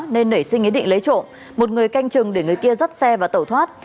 nên nảy sinh ý định lấy trộm một người canh chừng để người kia dắt xe và tẩu thoát